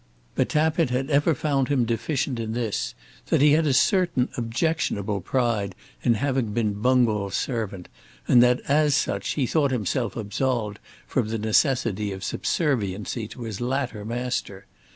But Tappitt had ever found him deficient in this, that he had a certain objectionable pride in having been Bungall's servant, and that as such he thought himself absolved from the necessity of subserviency to his latter master.